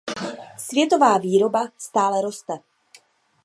Světová výroba stále roste.